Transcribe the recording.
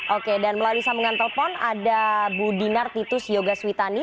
oke dan melalui sambungan telepon ada bu dinar titus yogaswitani